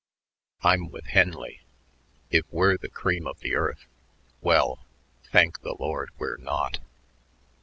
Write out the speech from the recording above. I'm with Henley. If we're the cream of the earth well, thank the Lord, we're not."